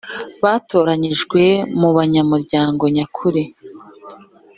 batoranyijwe mu abanyamuryango nyakuri